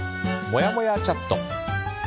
もやもやチャット。